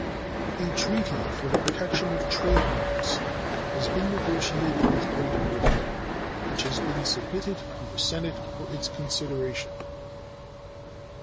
A treaty for the protection of trade marks has been negotiated with Great Britain, which has been submitted to the Senate for its consideration.